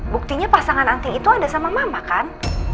buktinya pasangan anting itu ada sama mama kan